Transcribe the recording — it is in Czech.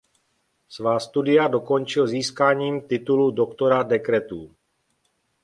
Svá studia zakončil získáním titulu doktora dekretů.